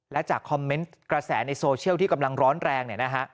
และจากคอมเมนต์กระแสในโซเชียลที่กำลังร้อนแรง